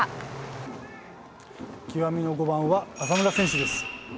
極みの５番は浅村選手です。